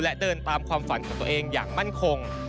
และเดินตามความฝันของตัวเองอย่างมั่นคง